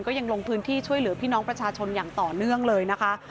ยังลงพื้นที่ช่วยเหลือพี่น้องประชาชนอย่างต่อเนื่องเลยนะคะ